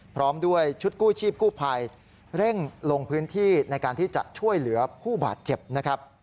พร้อมด้วยชุดกู้ชีพกู้ภัยเร่งลงพื้นที่ในการที่จะช่วยเหลือผู้บาดเจ็บนะครับ